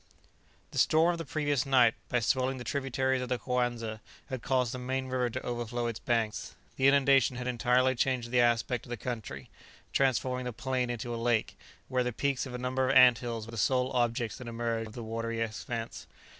The storm of the previous night, by swelling the tributaries of the Coanza, had caused the main river to overflow its banks. The inundation had entirely changed the aspect of the country, transforming the plain into a lake, where the peaks of a number of ant hills were the sole objects that emerged above the watery expanse.